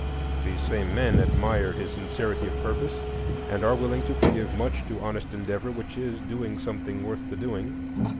These same men admire his sincerity of purpose, and are willing to forgive much to honest endeavor which is doing something worth the doing.